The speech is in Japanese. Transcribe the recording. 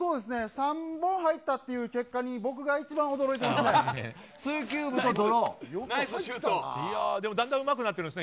３本入ったという結果に僕が一番、驚いてますね。